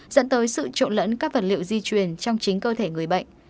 dẫn tới sự trộn lẫn các vật liệu di truyền trong chính cơ thể người bệnh